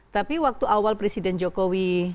tapi waktu awal presiden jokowi